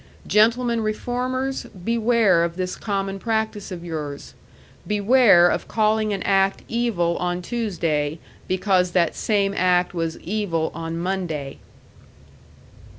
Gentlemen reformers, beware of this common practice of yours! beware of calling an act evil on Tuesday because that same act was evil on Monday!